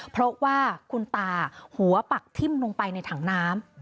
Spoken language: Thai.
เพราะว่าคุณตาหัวปักทิ้มลงไปในถังน้ำ